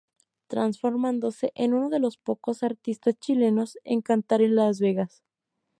Transformándose en uno de los pocos artistas chilenos en cantar en las Vegas.